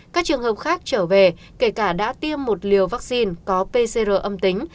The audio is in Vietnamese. các trường hợp khác trở về kể cả đã tiêm một liều vaccine có pcr âm tính